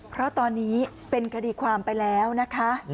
เพราะตอนนี้เป็นคดีความไปแล้วนะคะ